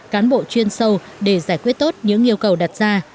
cán bộ chuyên sâu để giải quyết tốt những yêu cầu đặt ra